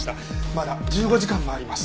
まだ１５時間もあります。